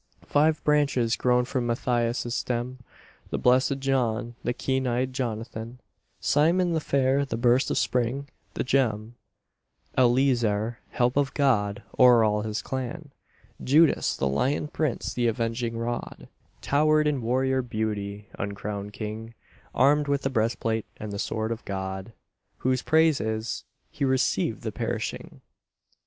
Five branches grown from Mattathias' stem, The Blessed John, the Keen Eyed Jonathan, Simon the fair, the Burst of Spring, the Gem, Eleazar, Help of God; o'er all his clan Judas the Lion Prince, the Avenging Rod, Towered in warrior beauty, uncrowned king, Armed with the breastplate and the sword of God, Whose praise is: "He received the perishing."